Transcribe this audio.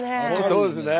そうですね。